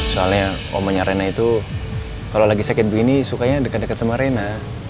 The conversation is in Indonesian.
soalnya omanya rena itu kalo lagi sakit begini sukanya deket dua sama rena